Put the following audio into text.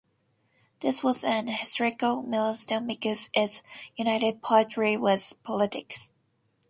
This was an historical milestone because it united poetry with politics.